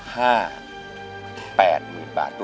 ๕๘หมื่นบาท